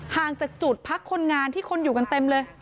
ห่างจากจุดพักคนงานที่คนอยู่กันเต็มเลย